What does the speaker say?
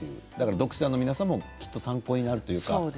読者の皆さんもきっと参考になるというか。